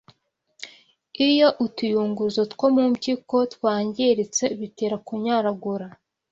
Iyo utuyunguruzo two mu mpyiko twangiritse bitera kunyaragura